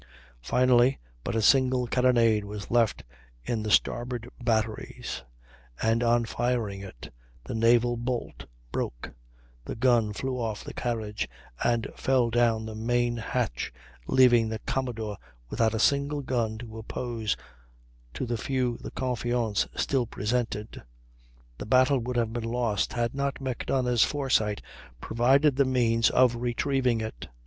Finally but a single carronade was left in the starboard batteries, and on firing it the naval bolt broke, the gun flew off the carriage and fell down the main hatch, leaving the Commodore without a single gun to oppose to the few the Confiance still presented. The battle would have been lost had not Macdonough's foresight provided the means of retrieving it.